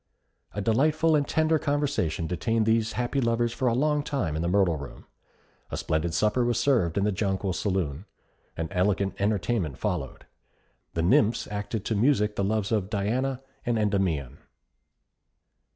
A delightful and tender conversation detained these happy lovers for a long time in the Myrtle Room. A splendid supper was served in the Jonquil Saloon. An elegant entertainment followed. The nymphs acted to music the loves of Diana and Endymion.